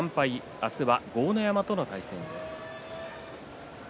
明日は豪ノ山との対戦です。